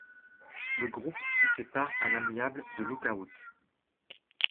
Le groupe se sépare à l'amiable de Lookout!